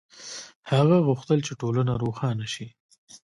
هغه غوښتل چې ټولنه روښانه شي.